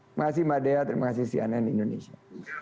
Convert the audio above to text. terima kasih mbak dea terima kasih cnn indonesia